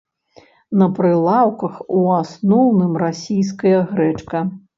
На прылаўках у асноўным расійская грэчка.